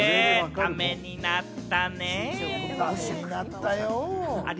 ためになったよ。